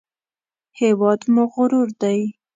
هېواد مو غرور دی